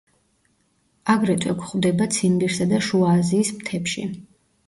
აგრეთვე გვხვდება ციმბირსა და შუა აზიის მთებში.